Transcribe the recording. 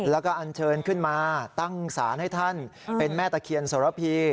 แล้วก็อันเชิญขึ้นมาตั้งศาลให้ท่านเป็นแม่ตะเคียนสรพี